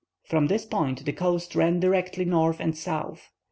From this point the coast ran directly north and south.